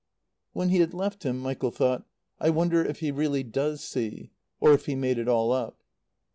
When he had left him Michael thought: "I wonder if he really does see? Or if he made it all up?"